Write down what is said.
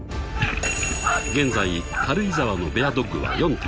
［現在軽井沢のベアドッグは４頭］